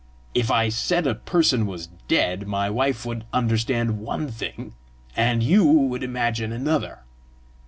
If I said a person was dead, my wife would understand one thing, and you would imagine another.